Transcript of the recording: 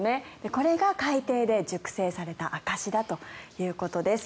これが海底で熟された証しだということです。